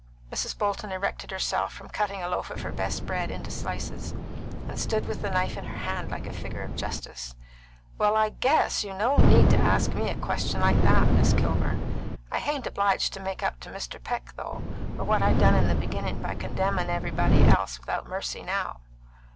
Mrs. Bolton erected herself from cutting a loaf of her best bread into slices, and stood with the knife in her hand, like a figure of Justice. "Well, I guess you no need to ask me a question like that, Miss Kilburn. I hain't obliged to make up to Mr. Peck, though, for what I done in the beginnin' by condemnin' everybuddy else without mercy now."